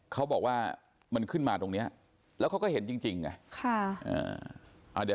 เขาบอกว่ามันขึ้นมาตรงนี้แล้วเขาก็เห็นจริงไง